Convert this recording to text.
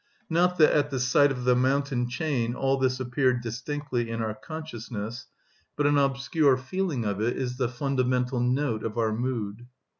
Not that at the sight of the mountain chain all this appeared distinctly in our consciousness, but an obscure feeling of it is the fundamental note of our mood.